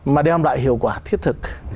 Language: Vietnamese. mà đem lại hiệu quả thiết thực